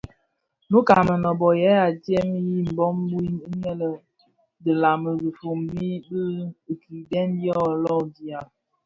Nnouka a Mënōbō yè adyèm i mbōg wui inne dhi nlaňi dhifombi di kidèè dyo londinga.